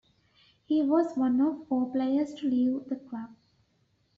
He was one of four players to leave the club.